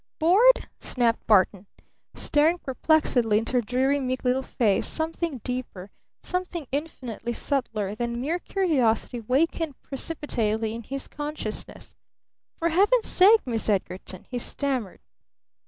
"Bored?" snapped Barton. Staring perplexedly into her dreary, meek little face, something deeper, something infinitely subtler than mere curiosity, wakened precipitately in his consciousness. "For Heaven's sake, Miss Edgarton!" he stammered.